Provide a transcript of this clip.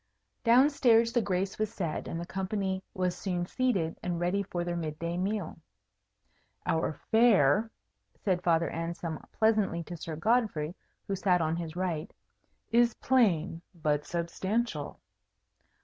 Down stairs the Grace was said, and the company was soon seated and ready for their mid day meal. "Our fare," said Father Anselm pleasantly to Sir Godfrey, who sat on his right, "is plain, but substantial."